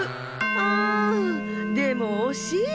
あんでもおしい。